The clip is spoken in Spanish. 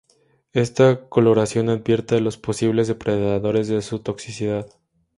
Esta coloración advierte a los posibles depredadores de su toxicidad.